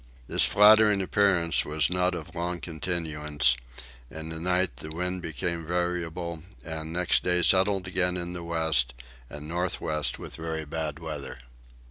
This flattering appearance was not of long continuance: in the night the wind became variable and next day settled again in the west and north west with very bad weather.